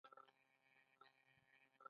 د ځمکې حرکتونه شپه او ورځ رامنځته کوي.